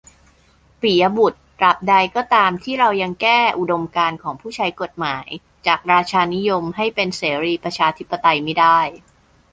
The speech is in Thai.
ปิยะบุตร : ตราบใดก็ตามที่เรายังแก้อุดมการณ์ของผู้ใช้กฎหมาย จากราชานิยม ให้เป็นเสรีประชาธิปไตยไม่ได้